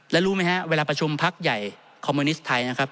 แล้วรู้ไหมฮะเวลาประชุมพักใหญ่คอมมิวนิสต์ไทยนะครับ